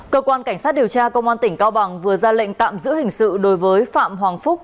cơ quan cảnh sát điều tra công an tỉnh cao bằng vừa ra lệnh tạm giữ hình sự đối với phạm hoàng phúc